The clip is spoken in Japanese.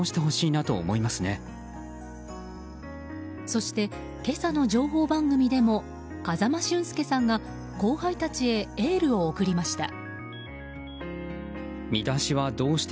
そして、今朝の情報番組でも風間俊介さんが後輩たちへエールを送りました。